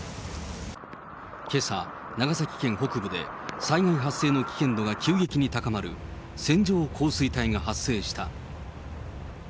けさ、長崎県北部で災害発生の危険度が急激に高まる線状降水帯が発生した。